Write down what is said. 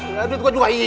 iya duit gue juga ilang